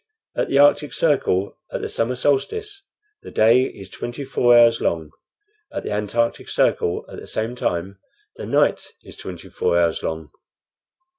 At the arctic circle at the summer solstice the day is twenty four hours long. At the antarctic circle at the same time the night is twenty four hours long."